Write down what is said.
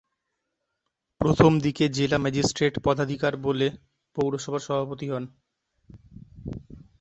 প্রথমদিকে জেলা ম্যাজিস্ট্রেট পদাধিকার বলে পৌরসভার সভাপতি হন।